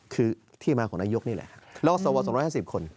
คือที่มาของนักยกนี่แหละแล้วก็สวรรค์สองร้อยห้าสิบคน